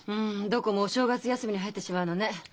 どこもお正月休みに入ってしまうのね。